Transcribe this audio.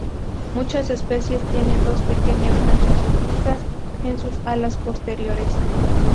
Muchas especies tienen dos pequeñas manchas rojizas en sus alas posteriores.